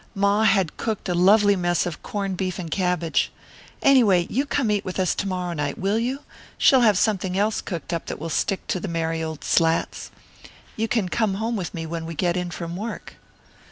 Ma had cooked a lovely mess of corned beef and cabbage. Anyway, you come eat with us to morrow night, will you? She'll have something else cooked up that will stick to the merry old slats. You can come home with me when we get in from work."